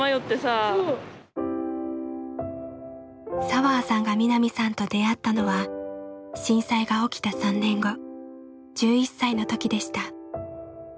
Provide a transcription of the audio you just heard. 彩葉さんが望奈未さんと出会ったのは震災が起きた３年後１１歳の時でした。